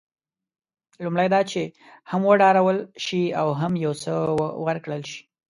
لومړی دا چې هم وډارول شي او هم یو څه ورکړل شي.